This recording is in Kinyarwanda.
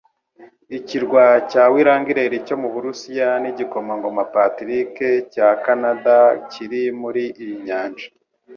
Ikirwa cya Wrangel cyo mu Burusiya n’Igikomangoma Patrick cya Kanada kiri muri iyi nyanja